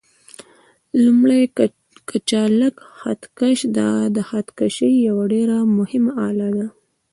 لومړی: کچالک خط کش: دا د خط کشۍ یوه ډېره مهمه آله ده.